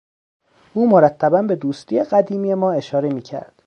او مرتبا به دوستی قدیمی ما اشاره میکرد.